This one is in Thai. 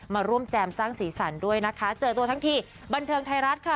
มาร่วมแจมสร้างสีสันด้วยนะคะเจอตัวทั้งทีบันเทิงไทยรัฐค่ะ